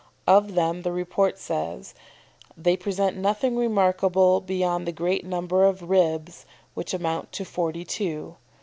Of them the report says, "They present nothing remarkable beyond the great number of ribs, which amount to forty two.